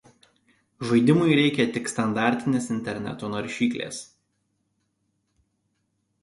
Žaidimui reikia tik standartinės interneto naršyklės.